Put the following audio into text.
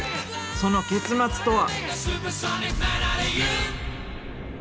その結末とは？